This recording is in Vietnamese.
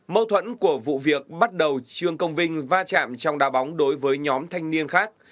mâu thuẫn của vụ việc bắt đầu trương công vinh va chạm trong đa bóng đối với nhóm thanh niên khác